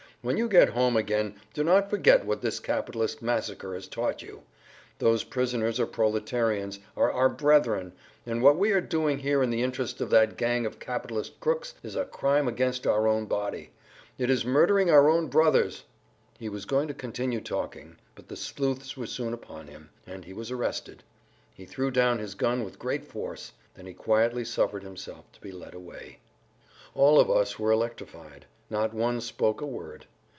When you get home again do not forget what this capitalist massacre has taught you. Those prisoners are proletarians, are our brethren, and what we are doing here in the interest of that gang of capitalist crooks is a crime against our own body; it is murdering our own brothers!" He was going to continue talking, but the sleuths were soon upon him, and he was arrested. He threw down his gun with great force; then he quietly suffered himself to be led away. All of us were electrified. Not one spoke a word.